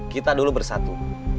kita dulu bersatu